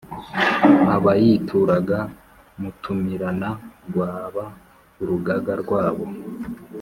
Abayituraga mutumirana Rwaba urugaga rwabo